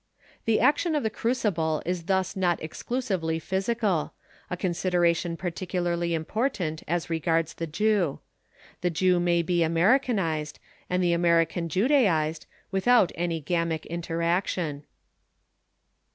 The action of the crucible is thus not exclusively physical a consideration particularly important as regards the Jew. The Jew may be Americanised and the American Judaised without any gamic interaction.